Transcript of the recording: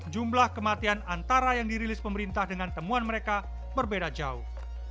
jumlah kematian antara yang dirilis pemerintah dengan temuan mereka berbeda jauh